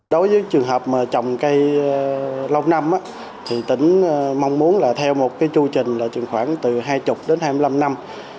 đối với trường hợp trồng cây lâu năm tỉnh mong muốn theo một chưu trình khoảng từ hai mươi đến hai mươi năm năm